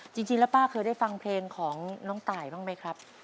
จริงแล้วป้าเคยได้ฟังเพลงของน้องตายบ้างไหมครับ